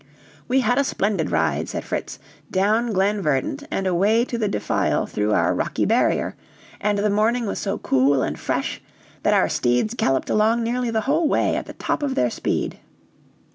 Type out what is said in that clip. "We had a splendid ride," said Fritz, "down Glen Verdant, and away to the defile through our Rocky Barrier, and the morning was so cool and fresh that our steeds galloped along, nearly the whole way, at the top of their speed.